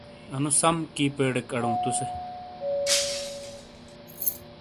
انُو سَم کی پیڈک اڑؤں تُسے۔